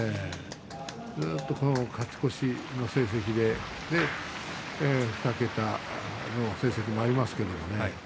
ずっと勝ち越しの成績で２桁の成績もありますけれどね。